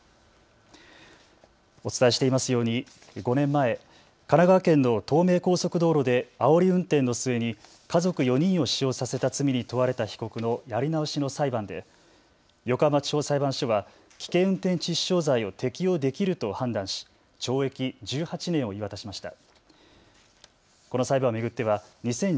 お伝えしていますように５年前、神奈川県の東名高速道路であおり運転の末に家族４人を死傷させた罪に問われた被告のやり直しの裁判で横浜地方裁判所が危険運転致死傷に適用できると判断し懲役１８年を言い渡しました。